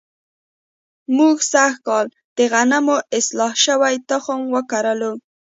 موږ سږ کال د غنمو اصلاح شوی تخم وکرلو.